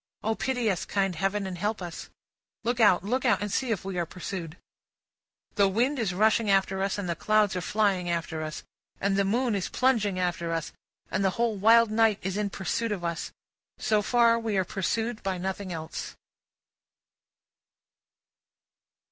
O pity us, kind Heaven, and help us! Look out, look out, and see if we are pursued. The wind is rushing after us, and the clouds are flying after us, and the moon is plunging after us, and the whole wild night is in pursuit of us; but, so far, we are pursued by nothing else.